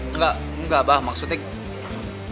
enggak enggak abah maksudnya